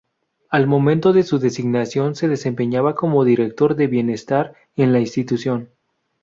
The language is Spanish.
Al momento de su designación se desempeñaba como director de Bienestar en la institución.